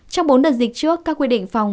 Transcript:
trong bốn đợt dịch trước các quy định phòng